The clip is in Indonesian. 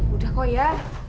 udah kok ya